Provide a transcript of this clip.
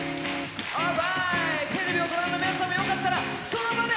テレビをご覧の皆さんもよかったらその場で。